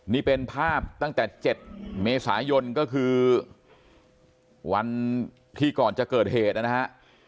นี่เป็นภาพตั้งแต่๗เมษายนก็คือวันที่ก่อนจะเกิดเหตุนะฮะ